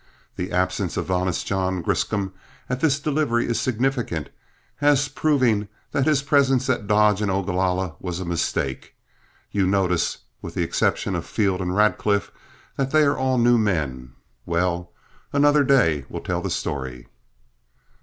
The absence of Honest John Griscom at this delivery is significant as proving that his presence at Dodge and Ogalalla was a mistake. You notice, with the exception of Field and Radcliff, they are all new men. Well, another day will tell the story."